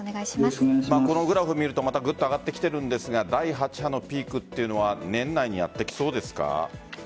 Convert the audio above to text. このグラフを見るとぐっと上がってきているんですが第８波のピークというのは年内にやってきそうですか？